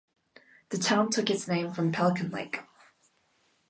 The town took its name from Pelican Lake.